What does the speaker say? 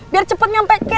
biar cepet nyampe kem